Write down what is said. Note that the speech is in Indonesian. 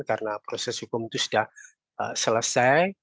karena proses hukum itu sudah selesai